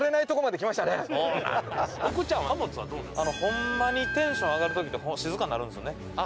ホンマにテンション上がる時って静かになるんですよね